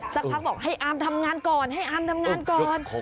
สักพักบอกให้อามทำงานก่อนให้อามทำงานก่อน